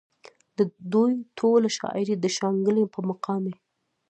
د دوي ټوله شاعري د شانګلې پۀ مقامي